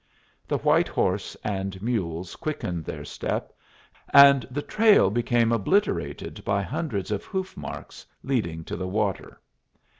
The white horse and mules quickened their step, and the trail became obliterated by hundreds of hoof marks leading to the water.